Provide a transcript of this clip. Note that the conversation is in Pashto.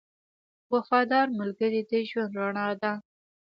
• وفادار ملګری د ژوند رڼا ده.